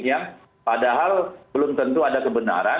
yang padahal belum tentu ada kebenaran